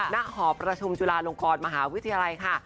หอประชุมจุฬาลงกรมหาวิทยาลัยค่ะ